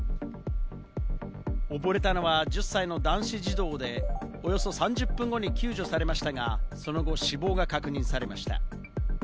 溺れたのは１０歳の男子児童で、およそ３０分後に救助されましたが、その後、死亡が確認されました。